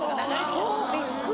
そうびっくり。